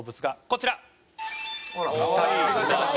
こちら。